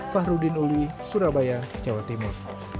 fahrudin uli surabaya jawa timur